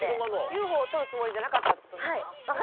ＵＦＯを撮るつもりじゃなかったってことね。